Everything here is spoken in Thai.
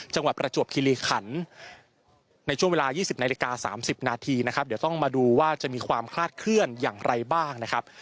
ประจวบคิริขันในช่วงเวลา๒๐นาฬิกา๓๐นาทีนะครับเดี๋ยวต้องมาดูว่าจะมีความคลาดเคลื่อนอย่างไรบ้างนะครับ